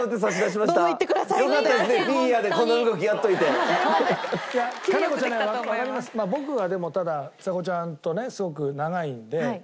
僕はでもただちさ子ちゃんとねすごく長いのでお付き合いが。